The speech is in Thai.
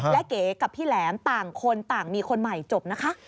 และเก๋กับพี่แหลมต่างคนต่างมีคนใหม่จบนะคะ